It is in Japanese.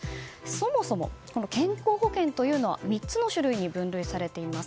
そもそも健康保険というのは３つの種類に分類されています。